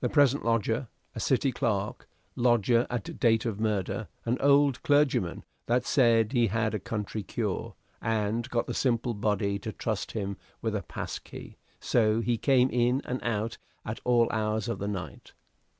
Present lodger, a City clerk; lodger at date of murder, an old clergyman that said he had a country cure, and got the simple body to trust him with a pass key: so he came in and out at all hours of the night.